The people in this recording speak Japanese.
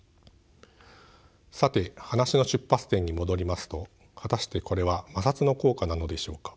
さて話の出発点に戻りますと果たしてこれは摩擦の効果なのでしょうか。